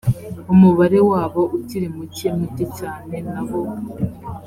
umubare wabo ukiri muke muke cyane na bo